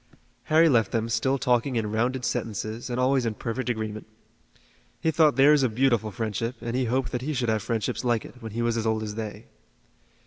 Harry left them still talking in rounded sentences and always in perfect agreement. He thought theirs a beautiful friendship, and he hoped that he should have friendships like it, when he was as old as they.